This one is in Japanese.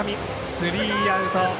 スリーアウト。